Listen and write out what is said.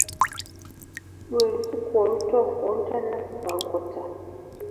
Lwe lusuku oluto olutannasa nkota.